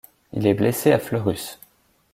Il est blessé à Fleurus.